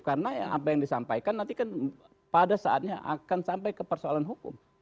karena apa yang disampaikan nanti kan pada saatnya akan sampai ke persoalan hukum